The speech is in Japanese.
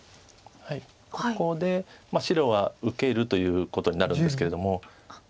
ここで白は受けるということになるんですけれども。